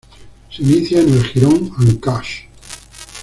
Se inicia en el jirón Áncash.